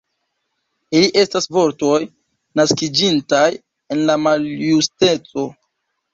Ili estas vortoj naskiĝintaj en la maljusteco.